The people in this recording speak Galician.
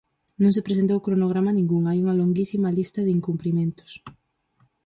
Non se presentou cronograma ningún, hai unha longuísima lista de incumprimentos.